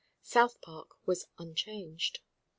South Park was unchanged.